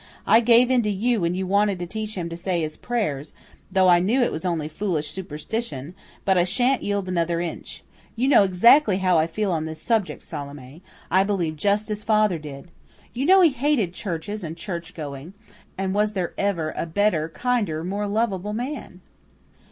I gave in to you when you wanted to teach him to say his prayers, though I knew it was only foolish superstition, but I sha'n't yield another inch. You know exactly how I feel on this subject, Salome; I believe just as father did. You know he hated churches and churchgoing. And was there ever a better, kinder, more lovable man?"